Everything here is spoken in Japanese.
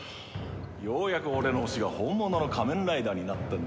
ようやく俺の推しが本物の仮面ライダーになったんだからよ。